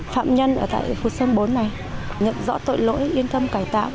phạm nhân ở tại khu sơn bốn này nhận rõ tội lỗi yên tâm cải tạo